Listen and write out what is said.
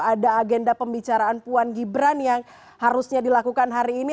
ada agenda pembicaraan puan gibran yang harusnya dilakukan hari ini